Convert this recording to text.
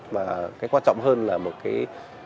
mà cái quan trọng hơn là một cái